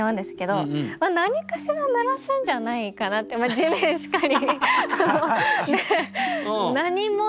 地面しかり。